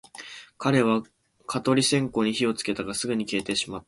私は蚊取り線香に火をつけたが、すぐに消えてしまった